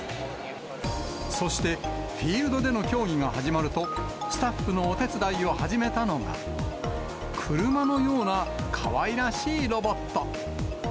そして、フィールドでの競技が始まると、スタッフのお手伝いを始めたのが、車のようなかわいらしいロボット。